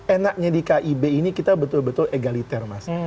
enaknya di kib ini kita betul betul egaliter mas